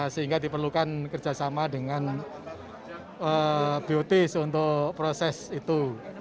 sehingga diperlukan kerjasama dengan bots untuk proses itu